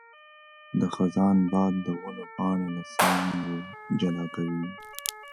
د خزان باد د ونو پاڼې له څانګو جلا کوي.